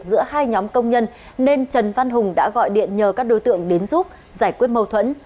giữa hai nhóm công nhân nên trần văn hùng đã gọi điện nhờ các đối tượng đến giúp giải quyết mâu thuẫn